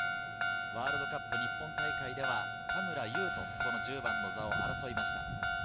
ワールドカップ日本大会では田村優とこの１０番の座を争いました。